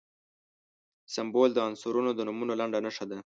سمبول د عنصرونو د نومونو لنډه نښه ده.